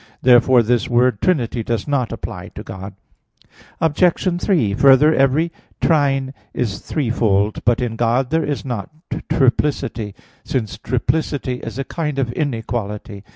Therefore this word "trinity" does not apply to God. Obj. 3: Further, every trine is threefold. But in God there is not triplicity; since triplicity is a kind of inequality.